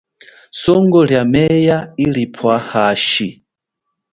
Songo lia meya ilipwa hashi.